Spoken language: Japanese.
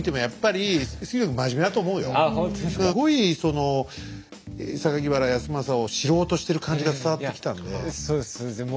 すごいその原康政を知ろうとしてる感じが伝わってきたんで。